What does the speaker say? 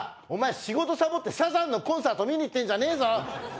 お前仕事サボってサザンのコンサート見に行ってんじゃねえぞ！